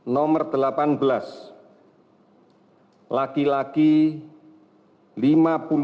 pasien dengan identifikasi delapan belas laki laki lima puluh lima tahun